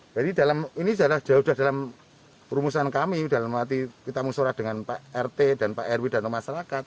jadi ini sudah dalam rumusan kami dalam arti kita musyarakat dengan pak rt dan pak rw dan masyarakat